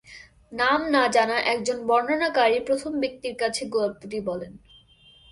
নাম না জানা একজন বর্ণনাকারী প্রথম ব্যক্তির কাছে গল্পটি বলেন।